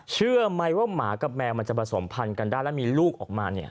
เชื่อไหมว่าหมากับแมวมันจะผสมพันธ์กันได้แล้วมีลูกออกมาเนี่ย